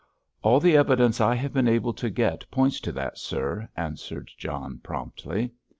"All the evidence I have been able to get points to that, sir," answered John promptly.